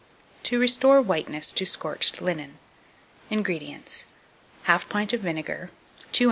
To restore Whiteness to scorched Linen. 2283. INGREDIENTS. 1/2 pint of vinegar, 2 oz.